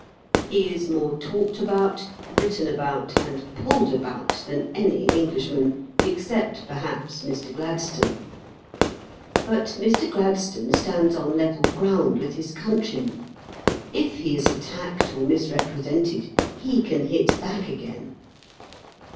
He is more talked about, written about, and pulled about than any Englishman, except, perhaps, Mr. Gladstone. But Mr. Gladstone stands on level ground with his countrymen. If he is attacked or misrepresented, he can hit back again.